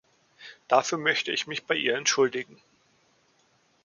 Dafür möchte ich mich bei ihr entschuldigen.